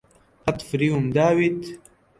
قەت فریوم داویت؟